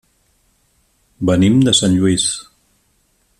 Venim de Sant Lluís.